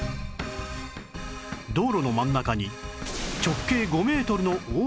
道路の真ん中に直径５メートルの大穴が